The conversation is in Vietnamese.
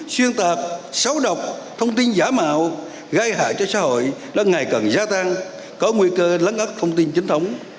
xuyên tạc xấu độc thông tin giả mạo gai hại cho xã hội đã ngày càng gia tăng có nguy cơ lắng ất thông tin chính thống